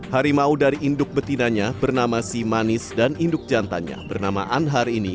harimau dari induk betinanya bernama simanis dan induk jantannya bernama anhar ini